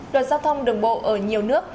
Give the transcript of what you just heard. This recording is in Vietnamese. luật giao thông đường bộ ở nhiều nước